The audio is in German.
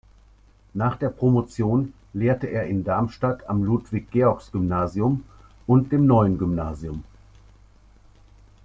Nach der Promotion lehrte er in Darmstadt am Ludwig-Georgs-Gymnasium und dem Neuen Gymnasium.